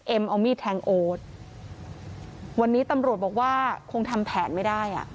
เอามีดแทงโอ๊ตวันนี้ตำรวจบอกว่าคงทำแผนไม่ได้อ่ะ